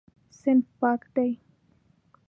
صنف پاک دی.